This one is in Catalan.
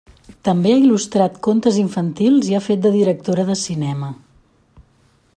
També ha il·lustrat contes infantils i ha fet de directora de cinema.